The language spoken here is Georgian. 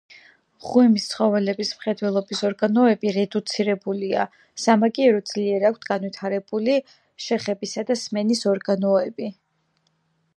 მღვიმის ცხოველების მხედველობის ორგანოები რედუცირებულია, სამაგიეროდ ძლიერ აქვთ განვითარებული შეხებისა და სმენის ორგანოები.